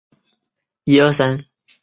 刘黎敏是一名中国女子游泳运动员。